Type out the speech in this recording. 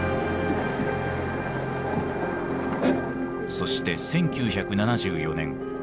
そして１９７４年。